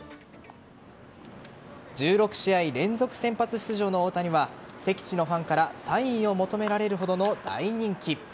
１６試合連続先発出場の大谷は敵地のファンからサインを求められるほどの大人気。